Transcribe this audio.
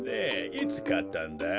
いつかったんだい？